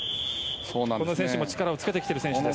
この選手も力をつけてきている選手です。